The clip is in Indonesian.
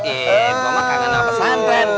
eh gue mah kangen apa santren